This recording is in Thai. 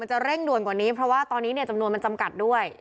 จะเร่งด่วนกว่านี้เพราะว่าตอนนี้เนี่ยจำนวนมันจำกัดด้วย